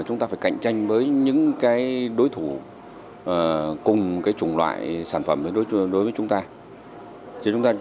chúng ta phải cạnh tranh với những đối thủ cùng chủng loại sản phẩm đối với chúng ta